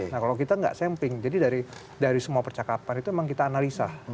nah kalau kita nggak sampling jadi dari semua percakapan itu memang kita analisa